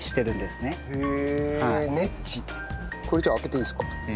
これじゃあ開けていいんですか？